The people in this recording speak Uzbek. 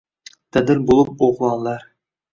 Dadil bo‘lib o‘g‘lonlar